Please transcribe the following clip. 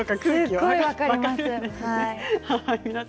すごいあります。